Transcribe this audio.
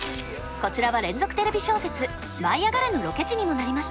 こちらは連続テレビ小説「舞いあがれ！」のロケ地にもなりました。